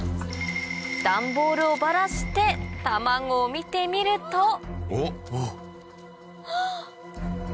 ダンボールをばらして卵を見てみるとあっ！